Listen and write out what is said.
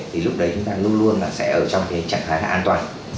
thì lúc đấy chúng ta luôn luôn là sẽ ở trong cái trạng thái là an toàn